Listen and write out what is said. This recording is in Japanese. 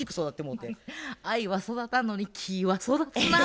愛は育たんのに木は育つなぁ。